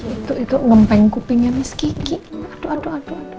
itu itu lempeng kupingnya miss kiki aduh aduh aduh